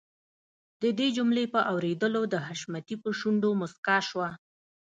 د دې جملې په اورېدلو د حشمتي په شونډو مسکا شوه.